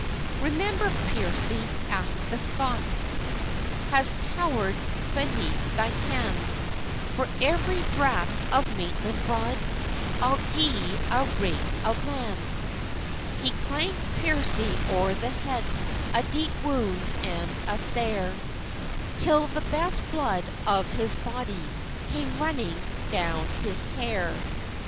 "Remember, Piercy, aft the Scot Has cower'd beneath thy hand; For every drap of Maitland blood, I'll gi'e a rig of land." He clanked Piercy o'er the head A deep wound and a sair, Till the best blood of his body Came running down his hair.